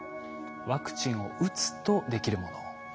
ワクチンを打つとできるもの。